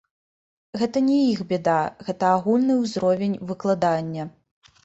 Гэта не іх бяда, гэта агульны ўзровень выкладання.